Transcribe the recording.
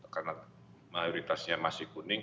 karena mayoritasnya masih kuning dan hijau